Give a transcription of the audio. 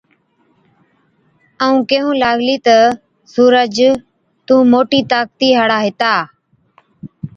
ائُون ڪيهُون لاگلَي تہ، سُورج تُون موٽِي طاقتِي هاڙا هِتا۔